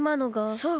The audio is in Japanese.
そう！